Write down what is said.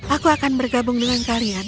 aku akan bergabung dengan kalian